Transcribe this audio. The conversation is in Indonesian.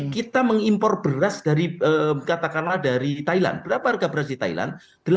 kita mengimpor beras dari katakanlah dari thailand berapa harga beras di thailand